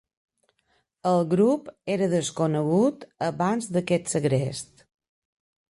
El grup era desconegut abans d'aquest segrest.